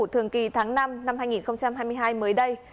thường kỳ tháng năm năm hai nghìn hai mươi hai mới đây